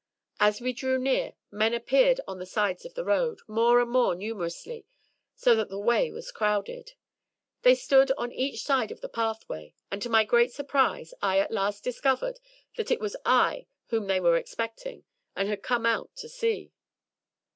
As we drew near men appeared on the sides of the road, more and more numerously, so that the way was crowded. They stood on each side of the pathway, and to my great surprise, I at last discovered that it was I whom they were expecting, and had come out to see!